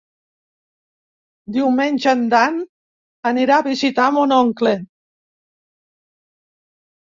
Diumenge en Dan anirà a visitar mon oncle.